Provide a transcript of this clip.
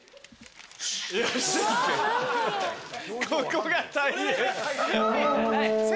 ここが大変。